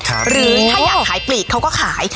หรือถ้าอยากขายปลีกเขาก็ขาย